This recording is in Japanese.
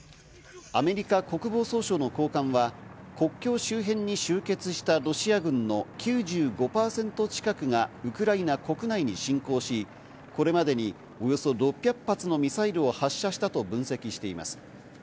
アメリカ国防総省の高官は国境周辺に集結したロシア軍の９５％近くがウクライナ国内に侵攻し、これまでにおよそ６００発のミサイルを発射したと分析しています。